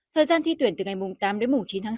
thời gian thi tuyển từ ngày tám đến chín tháng sáu